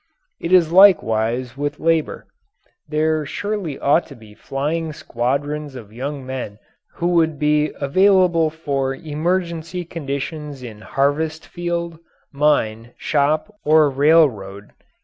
It is likewise with Labour. There surely ought to be flying squadrons of young men who would be available for emergency conditions in harvest field, mine, shop, or railroad.